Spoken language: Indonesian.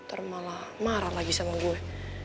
ntar malah marah lagi sama gue